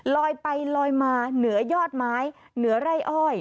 ลอยไปลอยมาเหนือยอดไม้เหนือไร่อ้อย